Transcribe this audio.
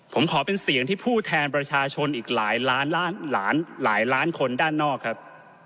ผมขอเป็นเสียงที่ผู้แทนประชาชนอีกหลายล้านคนด้านนอกครับ